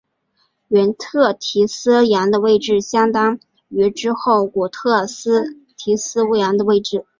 原特提斯洋的位置相当于之后古特提斯洋的位置。